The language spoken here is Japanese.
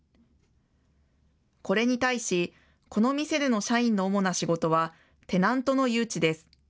これに対し、この店での社員の主な仕事は、テナントの誘致です。